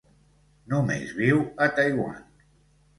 Només viu a Taiwan.